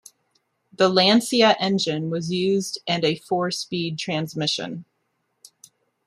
The Lancia engine was used and a four speed transmission.